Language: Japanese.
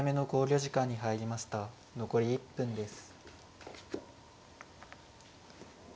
残り１分です。